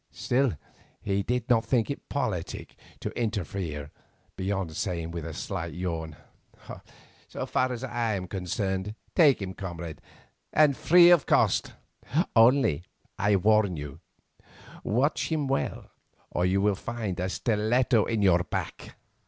Still he did not think it politic to interfere beyond saying with a slight yawn: "So far as I am concerned, take him, comrade, and free of cost. Only I warn you, watch him well or you will find a stiletto in your back."